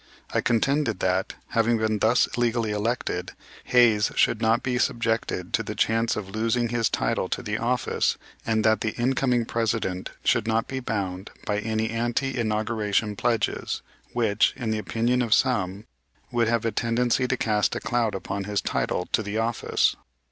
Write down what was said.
I contended that, having been thus legally elected, Hayes should not be subjected to the chance of losing his title to the office and that the incoming President should not be bound by any ante inauguration pledges, which, in the opinion of some, would have a tendency to cast a cloud upon his title to the office.